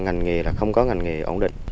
ngành nghề không có ngành nghề ổn định